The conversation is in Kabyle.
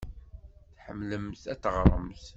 Tḥemmlemt ad teɣremt?